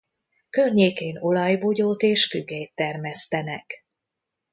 Környékén olajbogyót és fügét termesztenek.